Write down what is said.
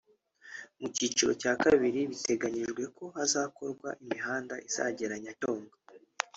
Mu cyiciro cya kabiri biteganyijwe ko hazakorwa imihanda izagera Nyacyonga